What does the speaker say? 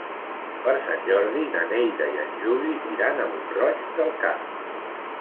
Per Sant Jordi na Neida i en Juli iran a Mont-roig del Camp.